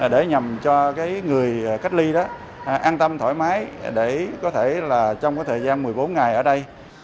để nhằm cho người cách ly đó an tâm thoải mái để có thể là trong thời gian một mươi bốn ngày ở đây